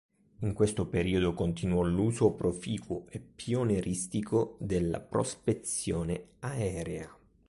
In questo periodo continuò l'uso proficuo e pionieristico della prospezione aerea.